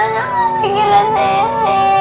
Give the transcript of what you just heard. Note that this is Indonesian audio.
nyak jangan tinggalin saya nyak